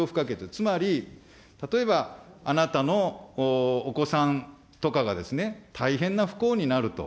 つまり、例えばあなたのお子さんとかがですね、大変な不幸になると。